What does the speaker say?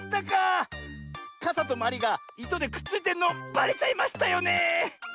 かさとまりがいとでくっついてるのばれちゃいましたよねえ。